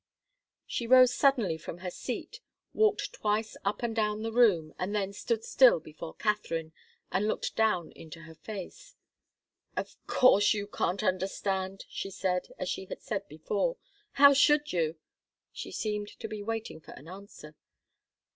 She rose suddenly from her seat, walked twice up and down the room, and then stood still before Katharine, and looked down into her face. "Of course you can't understand," she said, as she had said before. "How should you?" She seemed to be waiting for an answer.